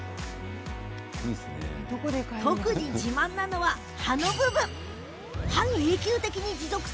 特に自慢なのが刃の部分です。